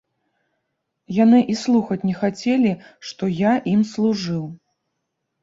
Яны і слухаць не хацелі, што я ім служыў.